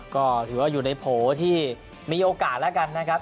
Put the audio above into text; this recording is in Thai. ก็ถือว่าอยู่ในโผล่ที่มีโอกาสแล้วกันนะครับ